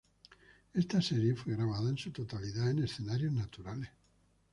Esta serie fue grabada en su totalidad en escenarios naturales.